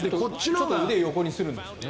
少し腕を横にするんですよね。